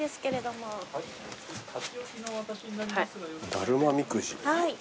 だるまみくじ。